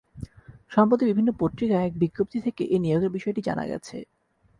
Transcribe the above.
সম্প্রতি বিভিন্ন পত্রিকায় এক বিজ্ঞপ্তি থেকে এ নিয়োগের বিষয়টি জানা গেছে।